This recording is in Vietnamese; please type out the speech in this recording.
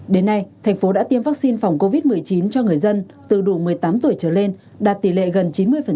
đến nay thành phố đã tiêm vaccine phòng covid một mươi chín cho người dân từ đủ một mươi tám tuổi trở lên đạt tỷ lệ gần chín mươi